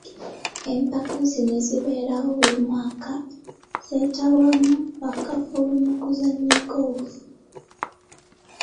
Empaka zino ezibeerawo buli mwaka, zeetabwamu ba kafulu mu kuzannya golf.